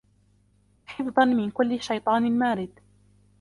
وحفظا من كل شيطان مارد